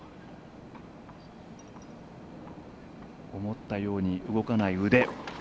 思ったように動かない腕。